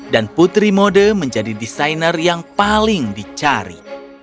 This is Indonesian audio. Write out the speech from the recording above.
dan putri mode menjadi desainer yang paling dicari